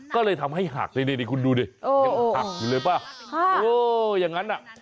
ก็เลยทำให้หักนี่คุณดูดิยังหักอยู่เลยป่ะเอออย่างนั้นอ่ะ